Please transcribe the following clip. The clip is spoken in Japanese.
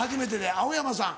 青山さん。